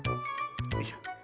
よいしょ。